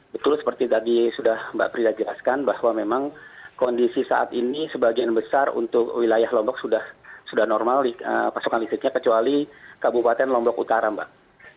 betul seperti tadi sudah mbak prita jelaskan bahwa memang kondisi saat ini sebagian besar untuk wilayah lombok sudah normal pasokan listriknya kecuali kabupaten lombok utara mbak